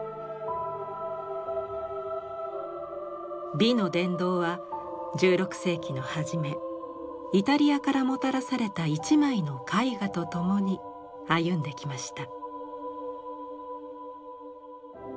美の殿堂は１６世紀の初めイタリアからもたらされた一枚の絵画と共に歩んできました。